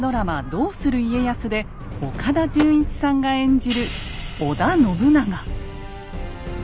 「どうする家康」で岡田准一さんが演じる